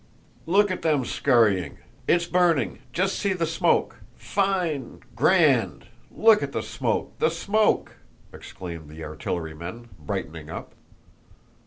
"Look at them scurrying! It's burning! Just see the smoke! Fine! Grand! Look at the smoke, the smoke!" exclaimed the artillerymen, brightening up.